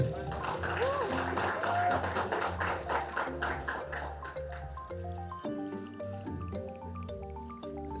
saya tidak usah memberikan